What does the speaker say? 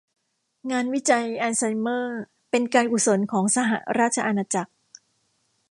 งานวิจัยอัลไซเมอร์เป็นการกุศลของสหราชอาณาจักร